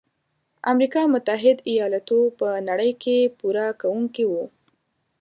امریکا متحد ایلاتو په نړۍ کې پوره کوونکي وو.